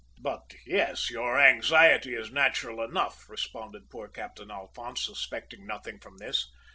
"`But, yes, your anxiety is natural enough,' responded poor Captain Alphonse, suspecting nothing from this.